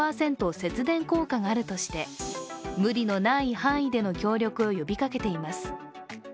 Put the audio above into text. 節電効果があるとして無理のない範囲での協力を呼びかけています。